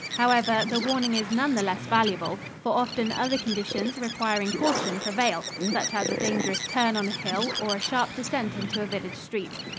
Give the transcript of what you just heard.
However, the warning is none the less valuable, for often other conditions requiring caution prevail, such as a dangerous turn on a hill or a sharp descent into a village street.